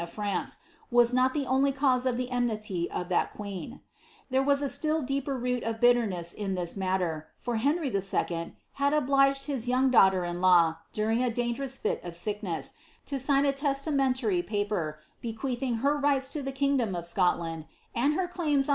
of France, was not the jse of the enmity of that queen. There was a still deeper root ness in this matter, for Henry II. had obliged his young daughter during a dangerous fit of sickness, to sign a testamentary paper, fling her rights to the kingdom of Scotland, and her claims on * La yjotbe Fe/jeiou, vol.